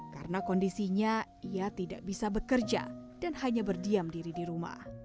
karena kondisinya ia tidak bisa bekerja dan hanya berdiam diri di rumah